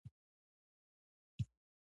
رسنۍ د لوړ پوړو په نیوکو کې ستره دنده لري.